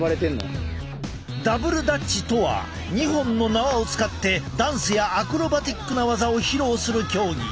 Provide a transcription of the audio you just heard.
ダブルダッチとは２本の縄を使ってダンスやアクロバティックな技を披露する競技。